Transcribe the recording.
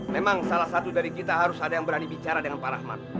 memang salah satu dari kita harus ada yang berani bicara dengan pak rahmat